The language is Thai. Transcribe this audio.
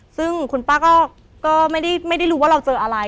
ซึ่งคุณป้าก็ไม่ได้รู้ว่าเราเจออะไร